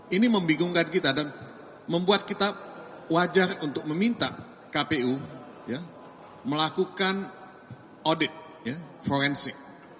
ini membingungkan kita dan membuat kita wajar untuk meminta kpu melakukan audit forensik